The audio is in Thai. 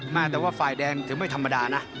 แต่ว่าฝ่ายแดงถือไม่ธรรมดานะ